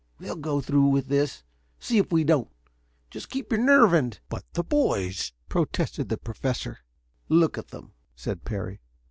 We'll go through with this, see if we don't. Just keep your nerve, and " "But the boys," protested the Professor. "Look at them," said Parry.